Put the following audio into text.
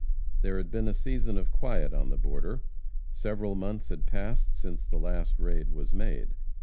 There had been a season of quiet on the border. Several months had passed since the last raid was made.